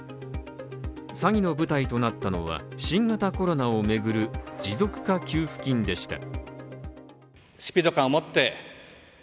詐欺の舞台となったのは新型コロナを巡る持続化給付金でした。